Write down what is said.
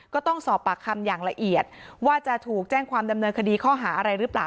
ก็ต้องสอบปากคำอย่างละเอียดว่าจะถูกแจ้งความดำเนินคดีข้อหาอะไรหรือเปล่า